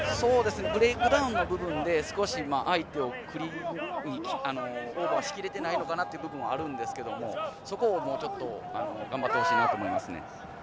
ブレイクダウンの部分で少し相手をクリーンにオーバーしきれていないのかなという部分もありますがそこを、もうちょっと頑張ってほしいと思います。